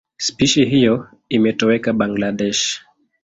Spishi hiyo imetoweka Bangladesh.